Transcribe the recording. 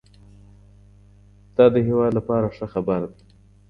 دا د هېواد لپاره ښه خبر دی